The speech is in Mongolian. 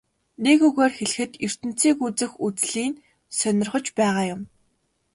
Нэг үгээр хэлэхэд ертөнцийг үзэх үзлий нь сонирхож байгаа юм.